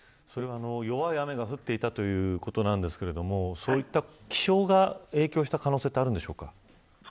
弱い雨が降っていたということなんですけれどもそういった気象が影響した可能性ってあるんでしょうか。